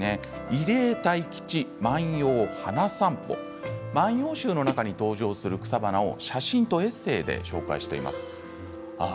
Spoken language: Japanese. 「入江泰吉万葉花さんぽ」「万葉集」の中に登場する草花を写真とエッセーで紹介しています。